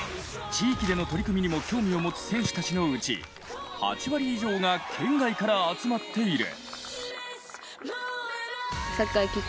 地域での取り組みにも興味を持つ選手たちのうち８割以上が県外から集まっている。